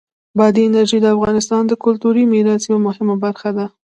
بادي انرژي د افغانستان د کلتوری میراث یوه مهمه برخه ده.